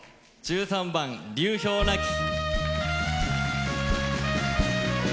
１３番「流氷鳴き」。